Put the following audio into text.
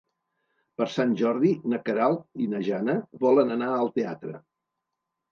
Per Sant Jordi na Queralt i na Jana volen anar al teatre.